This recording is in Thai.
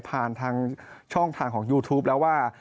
ผ่านทางช่องทางของยูทูปแล้วว่า